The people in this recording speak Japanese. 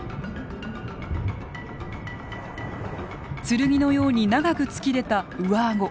剣のように長く突き出た上顎。